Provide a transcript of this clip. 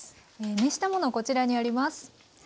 熱したものはこちらにあります。